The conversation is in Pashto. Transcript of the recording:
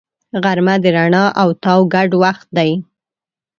غرمه د رڼا او تاو ګډ وخت دی